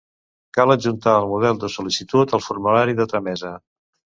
Cal adjuntar el model de sol·licitud al formulari de tramesa.